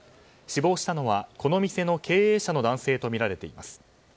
死亡したのは、この店の経営者の男性とみられています。